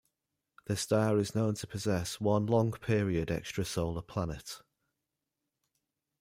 The star is known to possess one long-period extrasolar planet.